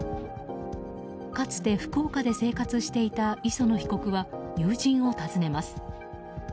かつて福岡で生活していた磯野被告は友人を訪ねます。